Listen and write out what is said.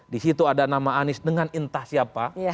disitu ada nama anies dengan entah siapa